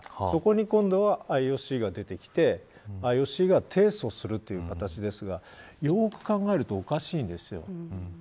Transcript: そこに、今度はＩＯＣが出てきてＩＯＣが提訴するという形ですがよく考えると、おかしいんです。